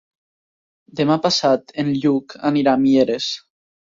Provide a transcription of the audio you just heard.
Demà passat en Lluc anirà a Mieres.